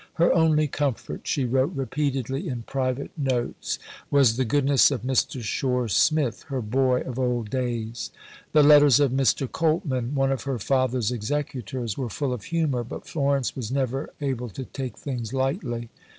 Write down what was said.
Her only comfort, she wrote repeatedly in private notes, was the "goodness" of Mr. Shore Smith "her boy" of old days. The letters of Mr. Coltman, one of her father's executors, were full of humour, but Florence was never able to take things lightly.